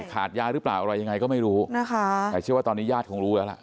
ขาดยาหรือเปล่าอะไรยังไงก็ไม่รู้นะคะแต่เชื่อว่าตอนนี้ญาติคงรู้แล้วล่ะ